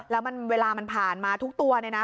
แล้วเวลามันผ่านมาทุกตัวเนี่ยนะ